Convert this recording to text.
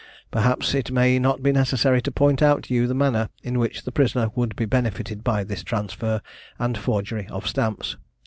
Perhaps it may not be necessary to point out to you the manner in which the prisoner would be benefited by this transfer, and forgery of stamps.